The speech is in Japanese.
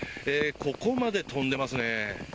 ここまで飛んでますね。